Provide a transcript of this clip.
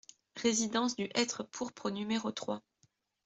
Résidence du Hêtre Pourpre au numéro trois